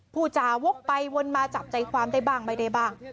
ผู้จาวกไปวนมาจับใจความได้บ้างไม่ได้บ้าง